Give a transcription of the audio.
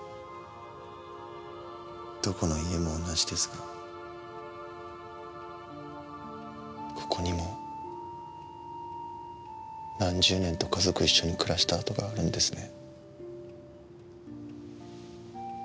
どこの家も同じですがここにも何十年と家族一緒に暮らした跡があるんですね。